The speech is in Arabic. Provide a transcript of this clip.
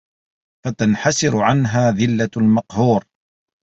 فَتَنْحَسِرُ عَنْهَا ذِلَّةُ الْمَقْهُورِ